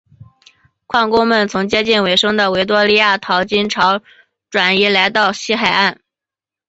矿工们从接近尾声的维多利亚淘金潮转移来到西海岸。